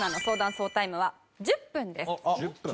総タイムは１０分です。